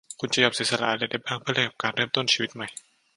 "คุณจะยอมเสียสละอะไรได้บ้างเพื่อแลกกับการเริ่มต้นชีวิตใหม่ ?"